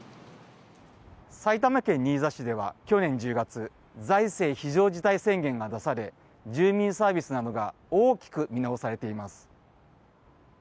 埼玉県新座市では去年１０月財政非常事態宣言が出され住民サービスなどが大きく見直されています。